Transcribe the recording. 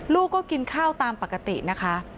ลูกก็กินข้าวตามปกตินะคะ